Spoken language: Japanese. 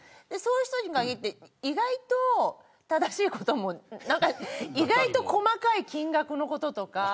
そういう人に限って意外と正しいことも意外と細かい金額のこととか。